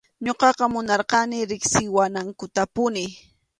Ñuqaqa munarqani riqsiwanankutapuni.